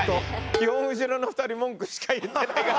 基本後ろの２人文句しか言ってないから。